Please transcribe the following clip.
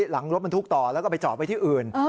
หลังรถบรรทุกต่อแล้วก็ไปจอดไว้ที่อื่น